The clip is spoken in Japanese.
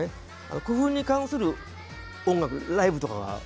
古墳に関する音楽ライブとかが。